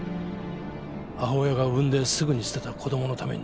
母親が産んですぐに捨てた子供のためにな。